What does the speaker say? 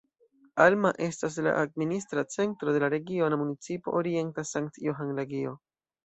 Alma estas la administra centro de la Regiona Municipo Orienta Sankt-Johan-Lagio.